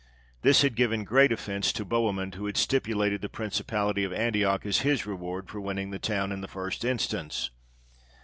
This had given great offence to Bohemund, who had stipulated the principality of Antioch as his reward for winning the town in the first instance.